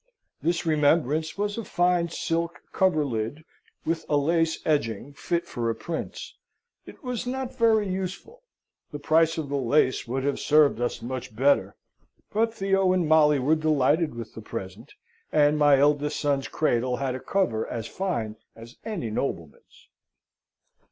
This remembrance was a fine silk coverlid, with a lace edging fit for a prince. It was not very useful: the price of the lace would have served us much better, but Theo and Molly were delighted with the present, and my eldest son's cradle had a cover as fine as any nobleman's.